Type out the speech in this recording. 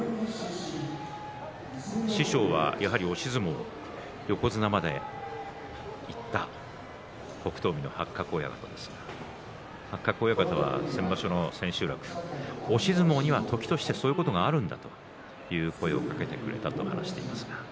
師匠はやはり押し相撲、横綱までいった北勝海の八角親方ですが八角親方は先場所の千秋楽、押し相撲には時としてそういうことがあるんだという声をかけてくれたと話しています。